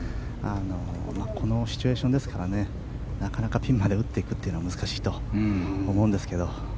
このシチュエーションですからなかなかピンまで打っていくのは難しいと思うんですけど。